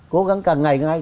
cố gắng càng ngày càng hay